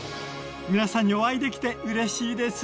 皆さんにお会いできてうれしいです。